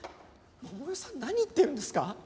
桃代さん何言ってるんですか？